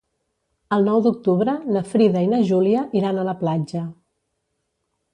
El nou d'octubre na Frida i na Júlia iran a la platja.